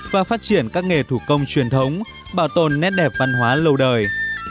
và phát triển các nghề thủ công truyền thống bảo tồn nét đẹp văn hóa lâu đời